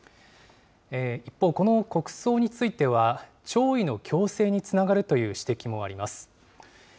一方、この国葬については、弔意の強制につながるという指摘もあります。